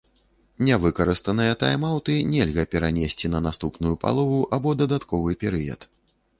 Нявыкарыстаныя тайм-аўты нельга перанесці на наступную палову або дадатковы перыяд.